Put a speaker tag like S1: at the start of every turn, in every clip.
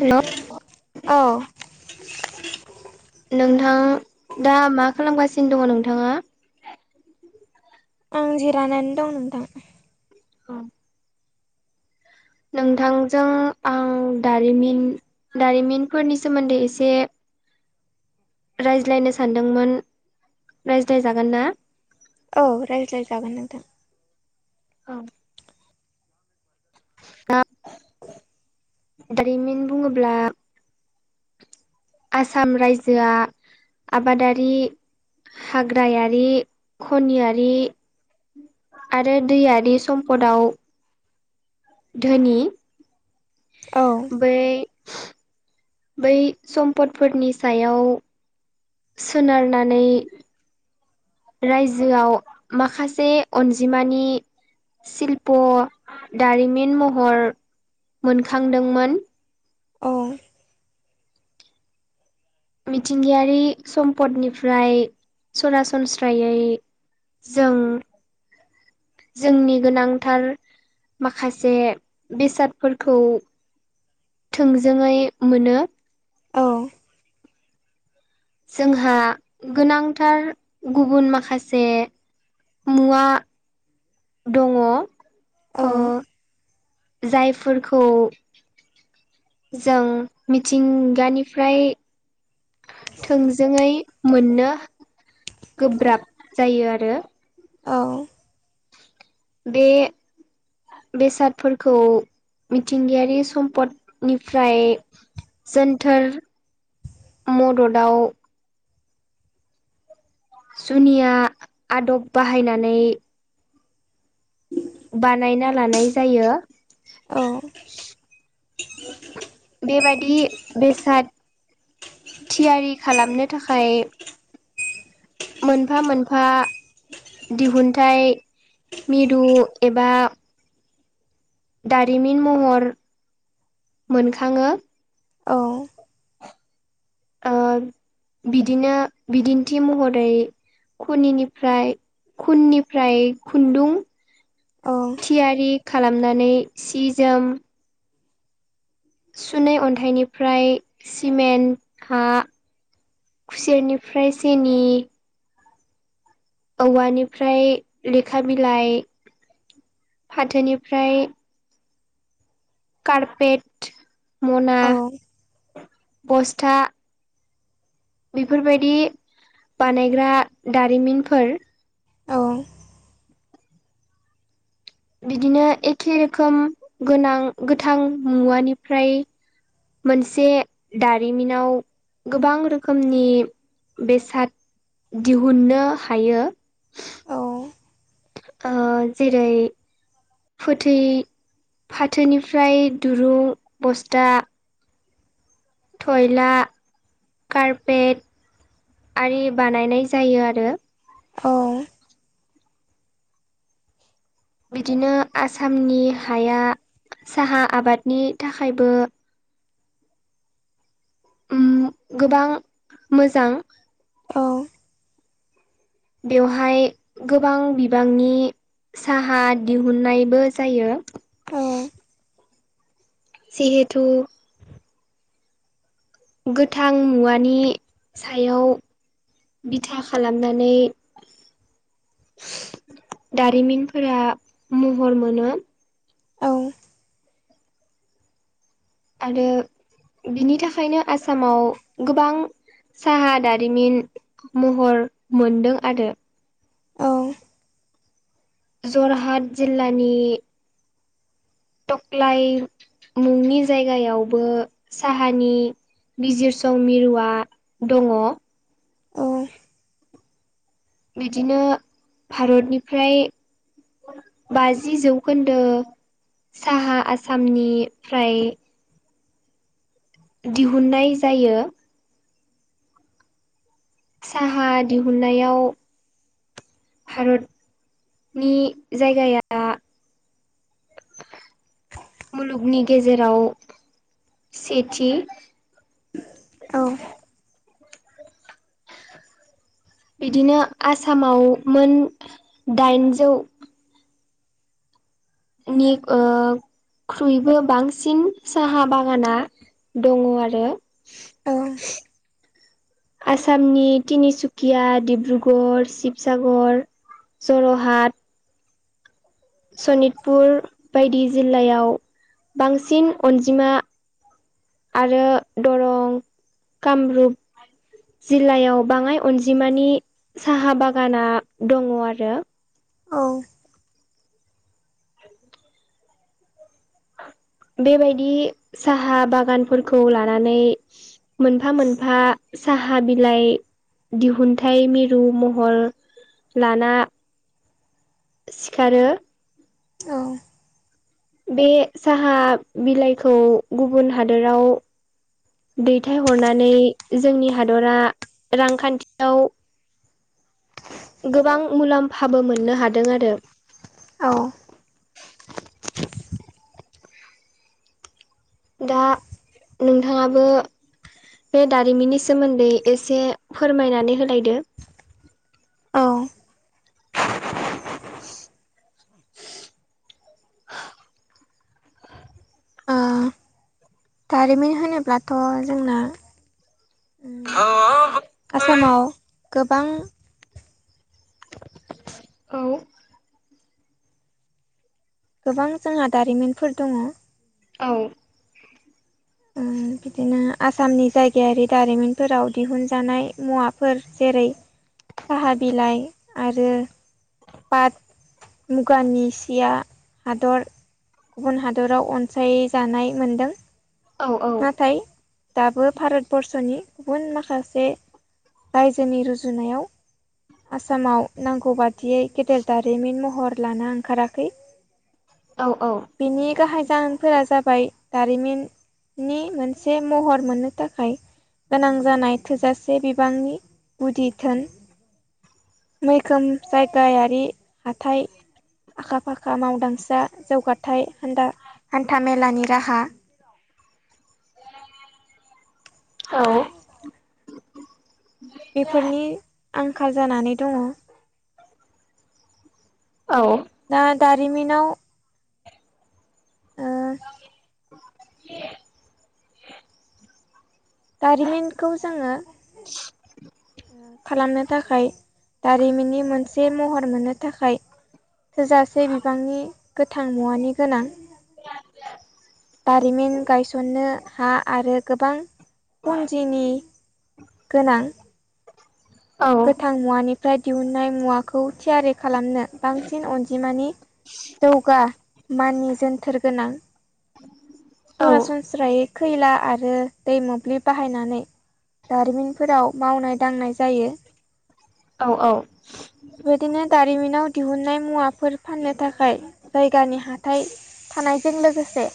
S1: Hello
S2: औ
S1: नों थां दा मा खालामगासिनो दं नोंथाङा?
S2: आं जिरायनानै दं नोंथां
S1: औ नोंथांजों आं दारिमिन दारिमिनफोरनि सोमोन्दै एसे रायज्लायनो सानदोंमोन रायज्लायजागोन ना?
S2: औ रायज्लायजागोन नोंथां
S1: औ दा दारिमिन बुङोब्ला आसाम रायजोआ आबादारि हाग्रायारि खनियारि आरो दैयारि सम्पदाव धोनि
S2: औ
S1: बै बै सम्पदफोरनि सायाव सोनारनानै रायजोआव माखासे अनजिमानि शिल्प दारिमिन महर मोनखांदोंमोन
S2: औ
S1: मिथिंगायारि सम्पदनिफ्राय सरासनस्रायै जों जोंनि गोनांथार माखासे बेसादफोरखौ थोंजोङै मोनो।
S2: औ
S1: जोंहा गोनांथार गुबुन माखासे मुवा दङ।
S2: औ
S1: जायफोरखौ जों मिथिंगानिफ्राय थोंजोङै मोननो गोब्राब जायो आरो।
S2: औ
S1: बे बेसादफोरखौ मिथिंगायारि सम्पदनिफ्राय जोन्टोर मददाव जुनिया आदब बाहायनानै बानायना लानाय जायो।
S2: औ
S1: बेबादि बेसाद थियारि खालामनो थाखाय मोनफा मोनफा दिहुनथायाइ मिरु एबा दारिमिन महर मोनखाङो।
S2: औ
S1: ओ बिदिनो बिदिन्थि महरै खुनिनिफ्राय खुननिफ्राय खुन्दुं
S2: औ
S1: थियारि खालामनानै सि जोम सुनै अन्थाइनिफ्राय सिमेन्ट हा खुसेरनिफ्राय सेनि औवानिफ्राय लेखा बिलाइ फाथोनिफ्राय कारपेट मना
S2: औ
S1: बस्था बेफोरबायदि बानायग्रा दारिमिनफोर
S2: औ
S1: बिदिनो एखे रोखोम गोनां गोथां मुवानिफ्राय मोनसे दारिमिनाव गोबां रोखोमनि बेसाद दिहुननो हायो
S2: औ
S1: ओ जेरै फोथै फाथोनिफ्राय दुरुं बस्था थयला कारपेट आरि बानायनाय जायो आरो
S2: औ
S1: बिदिनो आसामनि हाया साहा आबादनि थाखायबो उम गोबां मोजां
S2: औ
S1: बेवहाय गोबां बिबांनि साहा दिहुननायबो जायो
S2: औ
S1: जिहेथु गोथां मुवानि सायाव बिथा खालामनानै दारिमिनफोरा महर मोनो
S2: औ
S1: आरो बिनि थाखायनो आसामाव गोबां साहा दारिमिन महर मोनदों आरो
S2: औ
S1: जरहाट जिल्लानि थख्लाय मुंनि जायगायावबो साहानि बिजिरसं मिरुआ दङ
S2: अ
S1: बिदिनो भारतनिफ्राय बाजि जौखोन्दो साहा आसामनिफ्राय दिहुननाय जायो साहा दिहुननायाव भारतनि जायगाया मुलुगनि गेजेराव सेथि
S2: औ
S1: बिदिनो आसामाव मोन दाइनजौ नि ओ ख्रुइबो बांसिन साहा बागाना दङ आरो आसामनि तिनिसुकिया डिब्रुगर शिबसागर जर'हाट सनितपुर बायदि जिल्लायाव बांसिन अनजिमा आरो दरं कामरुप जिल्लायाव बाङाय अनजिमानि साहा बागाना दङ आरो
S2: औ
S1: बेबायदि साहा बागानफोरखौ लानानै मोनफा मोनफा साहा बिलाइ दिहुनथाइ मिरु महर लाना सिखारो
S2: औ
S1: बे साहा बिलाइखौ गुबुन हादोराव दैथाय हरनानै जोंनि हादरा रांखान्थियाव गोबां मुलाम्फाबो मोननो हादों आरो
S2: औ
S1: [unintelligible] दा नोंथाङाबो बे दारिमिननि सोमोन्दै एसे फोरमायनानै होलायदो।
S2: ओ
S1: [unintelligible]
S2: ओ दारिमिन होनोब्लाथ' जोंना आसामाव गोबां
S1: औ
S2: गोबां जोंहा दारिमिनफोर दङ
S1: औ।
S2: उम बिदिनो आसामनि जायगायारि दारिमिनफोराव दिहुनजानाय मुवाफोर जे जेरै साहा बिलाइ आरो पाथ मुगानि सिया हादर गुबुन हादराव अनसायजानाय मोनदों।
S1: औ औ
S2: नाथाय दाबो भारतबर्सनि गुबुन माखासे रायजोनि रुजुनायाव आसामाव नांगौ बादियै गेदेर दारिमिन महर लाना ओंखाराखै
S1: औ औ
S2: बिनिखा हाय जाहोनफोरा जाबाय दारिमिननि मोनसे महर मोननो थाखाय गोनां जानाय थोजासे बिबांनि गुदि धोन मैखोम जायगायारि हाथाइ आखा फाखा मावदांसा जौगाथाय हान्थामेलानि राहा
S1: [inaudible] औ
S2: बेफोरनि आंखाल जानानै दङ
S1: औ
S2: दा दारिमिनाव ओ
S1: [unintelligible]
S2: दारिमिनखौ जोङो खालामनो थाखाय दारिमिननि मोनसे महर मोननो थाखाय थोजासे बिबांनि गोथां मुवानि गोनां
S1: [inaudible]
S2: दारिमिन गायसननो हा आरो गोबां पुन्जिनि गोनां गोथां मुवानिफ्राय दिहुननाय मुवाखौ थियारि खालामनो बांसिन अनजिमानि जौगा मानि जोनथोर गोनां
S1: औ
S2: सरासनस्रायै खैला आरो दै मोब्लि बाहायनानै दारिमिनफोराव मावनाय दांनाय जायो
S1: औ औ
S2: बेदिनो तारिमिना दिहुनन्नाय मुवाफोर फाननो थाखाय जायगानि हाथाय थानायजों लोगोसे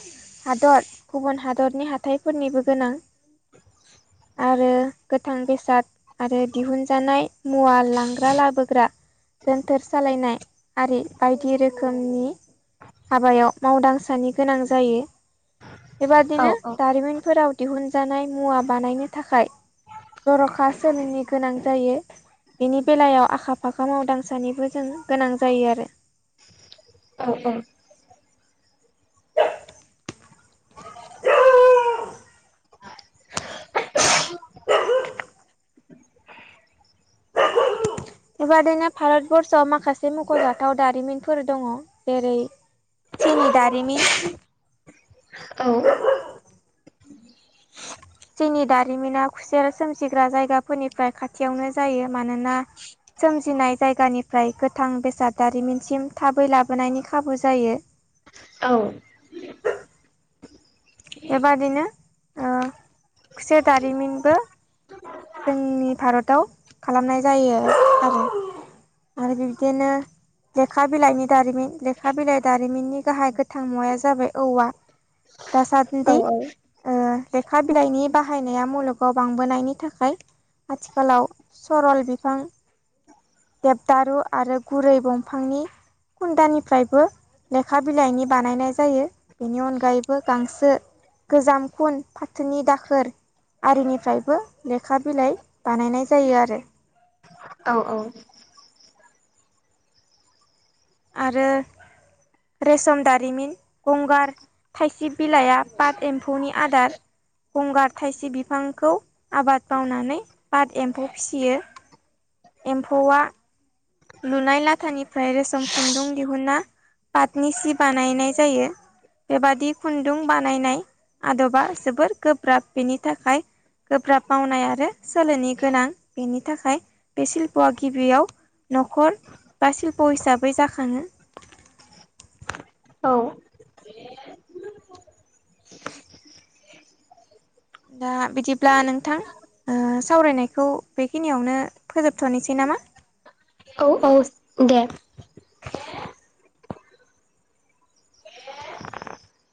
S2: हादर गुबुन हादरनि हाथाइफोरनिबो गोनां
S1: [inaudible]
S2: आरो गोथां बेसाद आरो दिहुनजानाय मुवा लांग्रा लाबोग्रा जोनथोर सालायनाय आरि बायदि रोखोमनि हाबायाव मावदांसानि गोनां जायो बेबादिनो दारिमिनफोराव दिहुनजानाय मुवा बानायनो थाखाय जर'खा सोलिनो गोनां जायो बेनि बेलायाव आखा आफाखा मावदांसानिबो जों गोनां जायो आरो
S1: अ औ
S2: बेबादिनो भारतबर्सआव माखासे मख'जाथाव दारिमिनफोर दङ जेरै चिनि दारिमिन
S1: औ
S2: चिनि दारिमिना खुसेर सोमजिग्रा जायगाफोरनिफ्राय खाथियावनो जायो मानोना सोमजिनाय जायगानिफ्राय गोथां बेसाद दारिमिनसिम थाबै लाबोनायनि खाबु जायो।
S1: औ
S2: बेबादिनो ओ खुसेर दारिमिनबो जोंनि भारताव खालामनाय जायो आरो। आरो बि बिदिनो लेखा बिलाइनि दारिमिन लेखा बिलाइ दारिमिननि गाहाय गोथां मुवाया जाबाय- औवा।
S1: [inaudible]
S2: दासान्दि ओ लेखा बिलाइनि बाहायनाया मुलुगाव बांबोनायनि थाखाय आथिखालाव सरल बिफां देबदारु आरो गुरै बंफांनि खुन्दानिफ्रायबो लेखा बिलाइनि बानायनाय जायो बेनि अनगायैबो गांसो गोजाम खुन फाथोनि दाखोर आरिनिफ्रायबो लेखा बिलाइ बानायनाय जायो आरो।
S1: औ औ
S2: आरो रेशम दारिमिन गंगार थायसे बिलाइआ पाट एम्फौनि आदार गंगार थाइसिब बिफांखौ आबाद मावनानै पाट एम्फौ फिसियो। एम्फौआ लुनाय लाथानिफ्राय रेसोम खुन्दुं दिहुना पाटनि सि बानायनाय जायो। बेबादि खुन्दुं बानायनाय आदबा जोबोद गोब्राब बेनि थाखाय गोब्राब मावनाय आरो सोलोनि गोनां बेनि थाखाय बे शिल्प'आ गिबियाव न'खर बा सिशल्प हिसाबै जाखाङो। दा बिदिब्ला नोंथां ओ सावरायनायखौ बेखिनियावनो फोजोबथ'नोसै नामा?
S1: औ औ दे